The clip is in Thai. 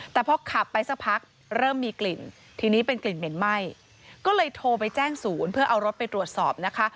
แต่พอขับไปสักพักเริ่มมีกลิ่นทีนี้เป็นกลิ่นเหม็นไหม้ก็เลยโทรไปแจ้งศูนย์เพื่อเอารถไปตรวจสอบนะคะ